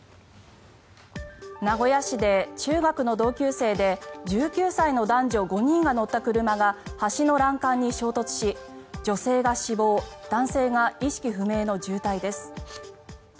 名古屋市で中学の同級生で１９歳の男女５人が乗った車が橋の欄干に衝突し、女性が死亡男性が意識不明の重体です。